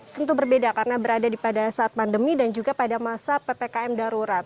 tentu berbeda karena berada pada saat pandemi dan juga pada masa ppkm darurat